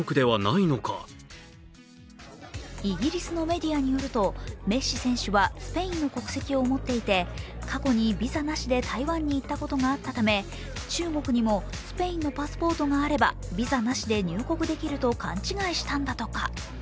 イギリスのメディアによるとメッシ選手はスペインの国籍を持っていて、過去にビザなしで台湾に行ったことがあったため中国にもスペインのパスポートがあればビザなしで入国できると勘違いしたんだとか。